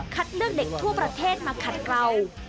เลือกเด็กทั่วประเทศมาขัดเกลา